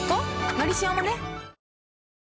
「のりしお」もね